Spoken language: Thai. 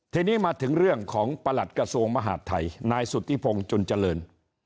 ทีนี้มาถึงเรื่องของประหลัดกระทรวงมหาดไทยนายสุธิพงศ์จุนเจริญ